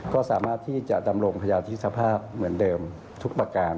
ก็สามารถที่จะดำรงพยาธิสภาพเหมือนเดิมทุกประการ